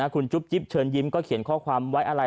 คุณจุ๊บจิ๊บเชิญยิ้มก็เขียนข้อความไว้อะไร